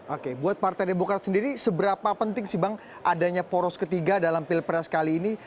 oke buat partai demokrat sendiri seberapa penting sih bang adanya poros ketiga dalam pilpres kali ini